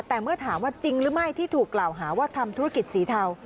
แต่เมื่อถามว่าจริงหรือไม่ที่ถูกกล่าวหาว่าทำธุรกิจสีเทา